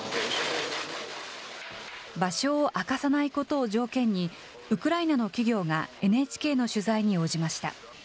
場所を明かさないことを条件に、ウクライナの企業がＮＨＫの取材に応じました。